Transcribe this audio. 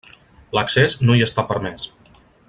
L'accés no hi està permès.